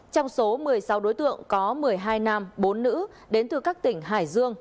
trong số một mươi sáu đối tượng có một mươi hai nam bốn nữ đến từ các tỉnh hải dương